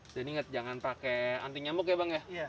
dan ingat jangan pakai anti nyamuk ya bang ya